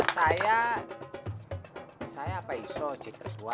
saya saya pak iso jadi ketua